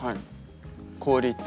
氷って。